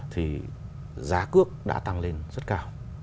thì giá cước đã tăng lên rất cao